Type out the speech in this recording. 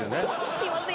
すいません。